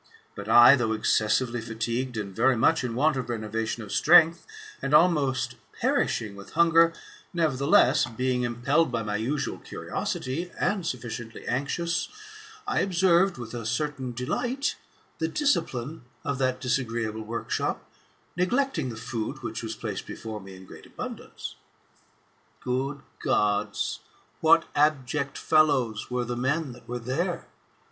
But I, though excessively fatigued, and very much in want of renovation of strength, and almost perishing with hunger, nevertheless, being impelled by my usual curiosity, and sufficiently anxious, I observed, with a certain delight, the discipline of that disagree able workshop, neglecting the food which was placed before me in great abundance. Good Gods ! what abject fellows were the men that were there